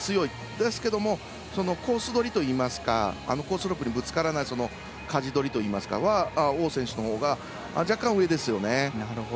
ですけれどもコースどりといいますかコースロープにぶつからないかじ取りは王選手のほうが若干、上ですよね。